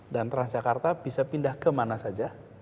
dan transjakarta bisa pindah ke mana saja